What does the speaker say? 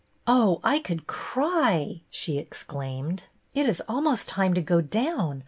" Oh, I could cry !" she exclaimed. " It is almost time to go down.